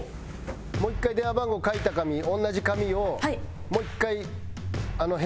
もう１回電話番号書いた紙同じ紙をもう１回あの部屋の前に置いていこうか。